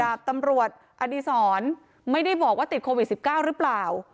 ดาบตำรวจอดีศรไม่ได้บอกว่าติดโควิด๑๙หรือเปล่า